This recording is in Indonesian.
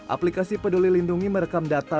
aplikasi peduli lindungi merekam data